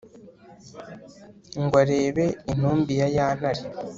ngo arebe intumbi ya ya ntare